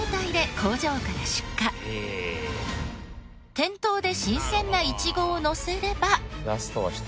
店頭で新鮮なイチゴをのせれば。